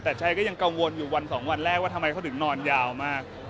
แต่ชัยก็ยังกังวลอยู่วันสองวันแรกว่าทำไมเขาถึงนอนยาวมาก